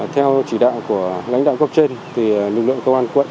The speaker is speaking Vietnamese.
theo chỉ đạo của lãnh đạo cấp trên thì lực lượng công an quận